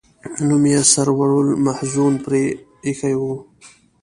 نوم یې سرور المحزون پر ایښی و.